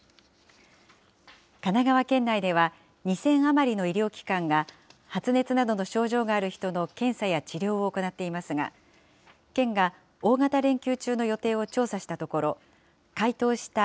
神奈川県内では２０００余りの医療機関が、発熱などの症状がある人の検査や治療を行っていますが、県が大型連休中の予定を調査したところ、回答した